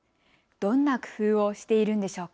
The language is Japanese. どんな工夫をしているんでしょうか。